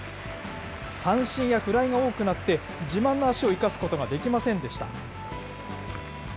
三振やフライが多くなって、自慢の足を生かすことができませんでした。